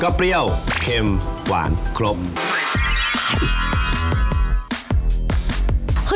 ก็เปรี้ยวเค็มหวานคลม